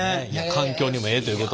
環境にもええということで。